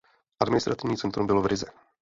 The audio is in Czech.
Administrativní centrum bylo v Rize.